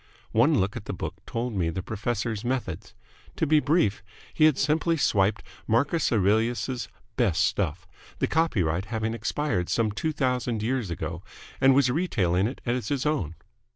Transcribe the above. One look at the book told me the professor's methods. To be brief, he had simply swiped Marcus Aurelius's best stuff, the copyright having expired some two thousand years ago, and was retailing it as his own.